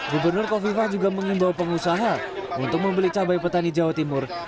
gubernur kofifah juga mengimbau pengusaha untuk membeli cabai petani jawa timur